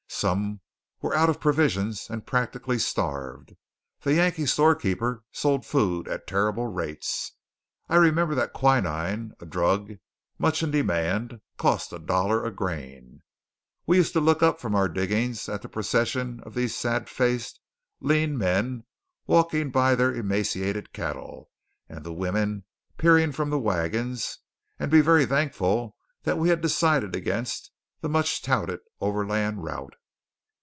Some were out of provisions and practically starved. The Yankee storekeeper sold food at terrible rates. I remember that quinine a drug much in demand cost a dollar a grain! We used to look up from our diggings at the procession of these sad faced, lean men walking by their emaciated cattle, and the women peering from the wagons, and be very thankful that we had decided against the much touted overland route.